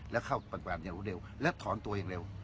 แล้วเข้าประกาศอย่างรู้เร็วแล้วถอนตัวอย่างเร็ว